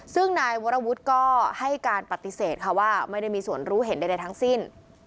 ซึ่งนายวรวุฒิก็ให้การปฏิเสธค่ะว่าไม่ได้มีส่วนรู้เห็นใดทั้งสิ้น